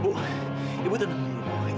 ibu ibu tenang dulu